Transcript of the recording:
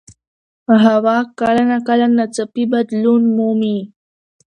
هوا کله ناکله ناڅاپي بدلون مومي